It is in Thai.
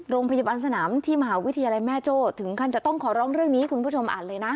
โรงพยาบาลสนามที่มหาวิทยาลัยแม่โจ้ถึงขั้นจะต้องขอร้องเรื่องนี้ให้คุณผู้ชมอ่านเลยนะ